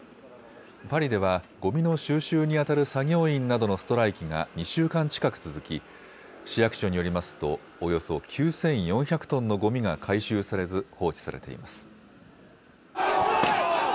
パリではごみの収集にあたる作業員などのストライキが２週間近く続き、市役所によりますとおよそ９４００トンのごみが回収されず放置されています。